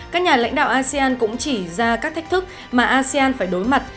các nhà lãnh đạo asean cũng chỉ ra các thách thức mà asean phải đối mặt